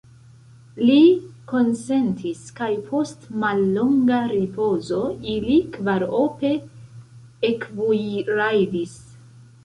Li konsentis, kaj post mallonga ripozo ili kvarope ekvojrajdis.